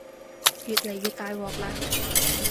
越嚟越大鑊喇